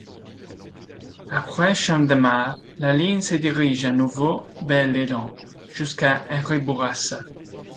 Après Champ-de-Mars, la ligne se dirige à nouveau vers le nord, jusqu'à Henri-Bourassa.